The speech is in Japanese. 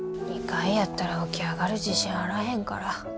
２階やったら起き上がる自信あらへんから。